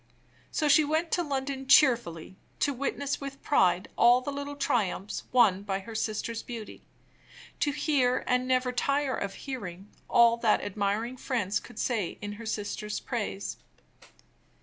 So she went to London cheerfully, to witness with pride all the little triumphs won by her sister's beauty; to hear, and never tire of hearing, all that admiring friends could say in her sister's praise.